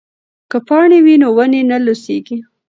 که پاڼې وي نو ونې نه لوڅیږي.